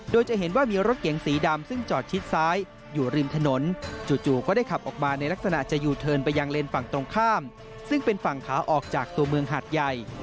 โดยจะเห็นว่ามีรถเก๋งสีดำซึ่งจอดชิดซ้ายอยู่ริมถนนจู่ก็ได้ขับออกมาในลักษณะจะยูเทิร์นไปยังเลนส์ฝั่งตรงข้ามซึ่งเป็นฝั่งขาออกจากตัวเมืองหาดใหญ่